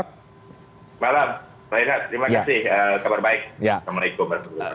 selamat malam renat terima kasih kabar baik assalamualaikum